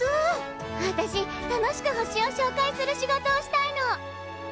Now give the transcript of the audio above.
私楽しく星をしょうかいする仕事をしたいの！